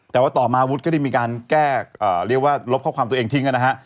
แต่ว่าต่อมาวุฒิก็ได้มีการแก้เรียกว่าลบข้อความตัวเองทิ้งนะฮะ